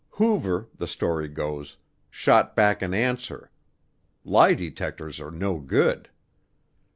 Hoover, the story goes, shot back an answer lie detectors are no good.